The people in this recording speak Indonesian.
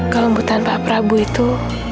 kelembutan pak prabu itu